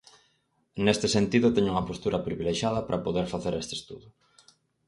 Neste sentido teño unha postura privilexiada para poder facer este estudo.